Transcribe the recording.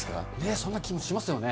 そんな気もしますよね。